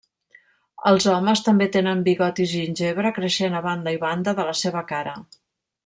Els homes també tenen bigotis gingebre creixent a banda i banda de la seva cara.